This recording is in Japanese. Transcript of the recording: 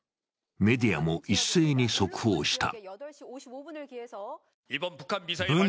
メディアも一斉に速報した。